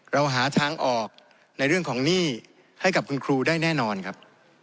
เราหาทางออกในเรื่องของหนี้ให้กับคุณครูได้แน่นอนครับ